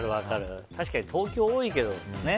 確かに東京は多いけどね。